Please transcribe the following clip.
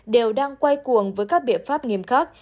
đều đang quay cuồng với các biện pháp nghiêm khắc